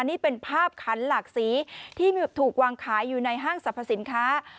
นี่เป็นภาพขันหลากสีที่ถูกวางขายอยู่ในห้างสรรพสินค้า